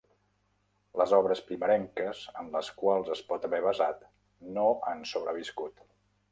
Les obres primerenques en les quals es pot haver basat no han sobreviscut.